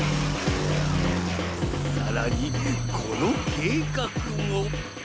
さらにこの計画も。